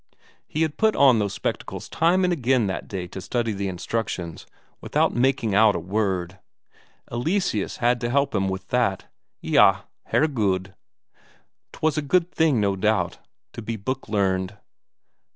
He had put on those spectacles time and again that day to study the instructions, without making out a word; Eleseus had to help him with that. Eyah, Herregud, 'twas a good thing, no doubt, to be book learned.